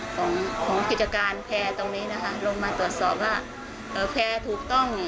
ของของกิจการแพร่ตรงนี้นะคะลงมาตรวจสอบว่าเอ่อแพร่ถูกต้อง